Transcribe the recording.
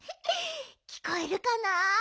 きこえるかな？